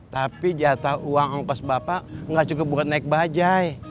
tapi jatah uang ongkos bapak gak cukup buat naik bajaj